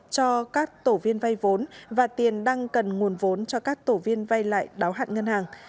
cho các tổ viên vay vốn và tiền đang cần nguồn vốn cho các tổ viên vay lại đáo hạn ngân hàng